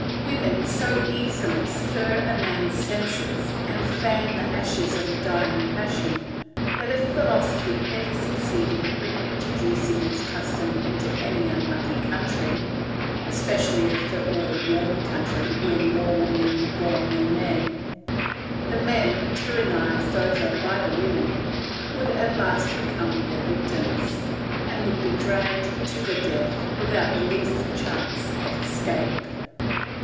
Women so easily stir a man's senses and fan the ashes of a dying passion, that if philosophy ever succeeded in introducing this custom into any unlucky country, especially if it were a warm country where more women are born than men, the men, tyrannised over by the women, would at last become their victims, and would be dragged to their death without the least chance of escape.